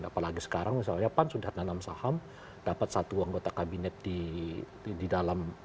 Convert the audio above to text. apalagi sekarang misalnya pan sudah nanam saham dapat satu anggota kabinet di dalam